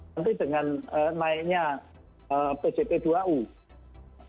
nanti dengan naiknya bgp dua mungkin